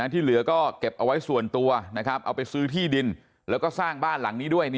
ที่เหลือก็เก็บเอาไว้ส่วนตัวเอาไปซื้อที่ดินแล้วก็สร้างบ้านหลังนี้ด้วย